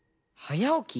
はやおき？